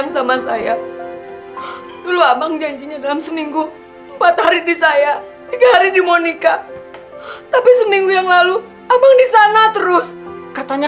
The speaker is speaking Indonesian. sampai jumpa di video selanjutnya